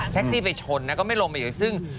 แท็กซี่ไปชนนะก็ไม่ลงมาอีกนะซึ่ง